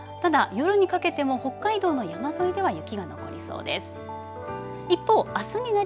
ただ、夜にかけても北海道の山沿いでは雪が残りそうです。